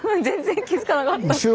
全然気付かなかった。